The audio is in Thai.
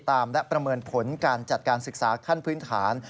และประเมินผลการจัดการศึกษาขั้นพื้นฐาน